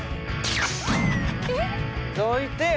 どいてや！